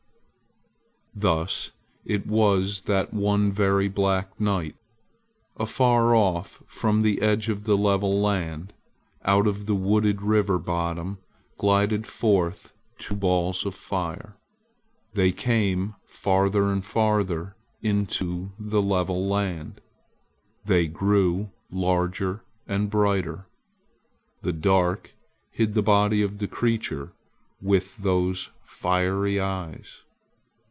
Thus it was that one very black night, afar off from the edge of the level land, out of the wooded river bottom glided forth two balls of fire. They came farther and farther into the level land. They grew larger and brighter. The dark hid the body of the creature with those fiery eyes.